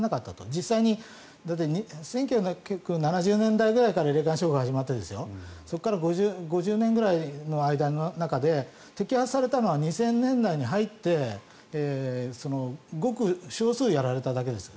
実際に１９７０年代ぐらいから霊感商法が始まってそこから５０年ぐらいの間の中で摘発されたのは２０００年代に入ってごく少数やられただけです。